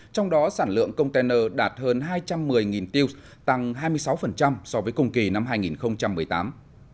trong đó sản lượng container đạt hơn hai trăm một mươi tiêu tăng hai mươi sáu so với cùng kỳ năm hai nghìn một mươi tám